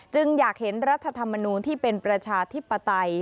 จึงอยากเห็นรัฐธรรมนูลที่เป็นประชาธิปไตย